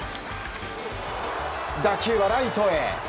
打球はライトへ。